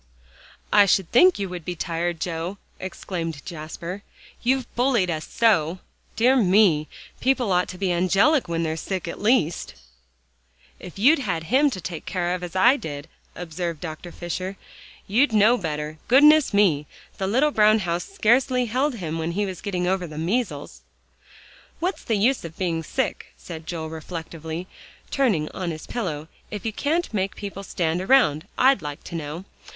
"I should think you would be tired, Joe," exclaimed Jasper, "you've bullied us so. Dear me! people ought to be angelic when they're sick, at least." "If you'd had him to take care of as I did," observed Dr. Fisher, "you'd know better; goodness me! the little brown house scarcely held him when he was getting over the measles." "What's the use of being sick," said Joel reflectively, turning on his pillow, "if you can't make people stand around, I'd like to know.